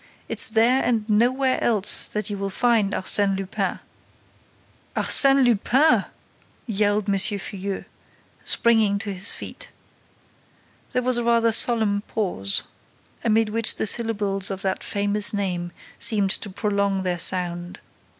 It's there and nowhere else that you will find Arsène Lupin!" "Arsène Lupin!" yelled M. Filleul, springing to his feet. There was a rather solemn pause, amid which the syllables of the famous name seemed to prolong their sound.